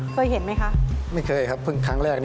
เคยเห็นไหมคะไม่เคยครับเพิ่งครั้งแรกนี้